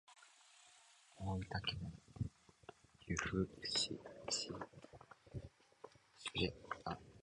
大分県由布市庄内町